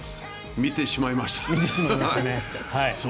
見てしまいましたね。